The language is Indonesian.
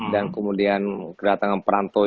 dan kemudian kedatangan perantau